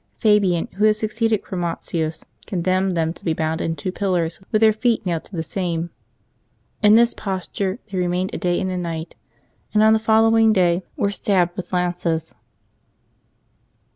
Fabian, who had succeeded Chromatins, condemned them to be bound to two pillars, with their feet nailed to the same. In this posture they remained a day and a night, and on the following day were stabbed with lances.